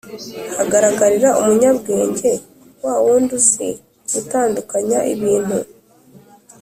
hagaragarira umunyabwenge, wa wundi uzi gutandukanya ibintu